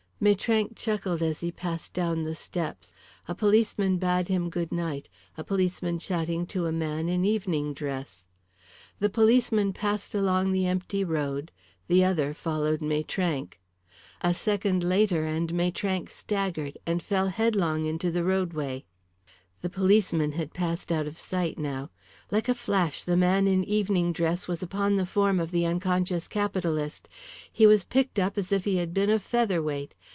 Maitrank chuckled as he passed down the steps. A policeman bade him goodnight, a policeman chatting to a man in evening dress. The policeman passed along the empty road, the other followed Maitrank. A second later and Maitrank staggered, and fell headlong in the roadway. The policeman had passed out of sight now. Like a flash the man in evening dress was upon the form of the unconscious capitalist. He was picked up as if he had been a feather weight.